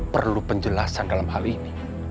perlu penjelasan dalam hal ini